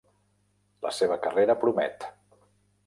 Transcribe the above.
La seva carrera promet.